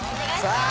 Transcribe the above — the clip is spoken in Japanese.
さあ